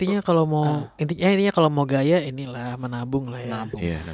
ya intinya kalo mau gaya ini lah menabung lah ya